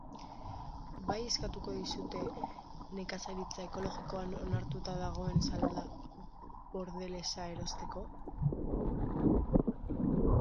Bai eskatuko dizute nekazaritza ekologikoan onartuta dagoen salda bordelesa erosteko?